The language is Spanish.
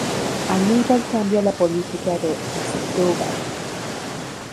Aníbal cambia la política de Asdrúbal.